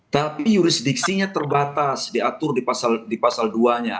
tapi jurisdiksinya terbatas diatur di pasal duanya